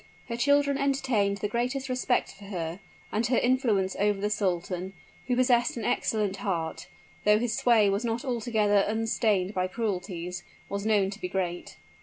Her children entertained the greatest respect for her: and her influence over the sultan, who possessed an excellent heart, though his sway was not altogether unstained by cruelties, was known to be great.